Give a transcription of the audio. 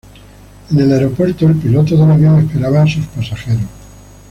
En el aeropuerto el piloto del avión esperaba a sus pasajeros.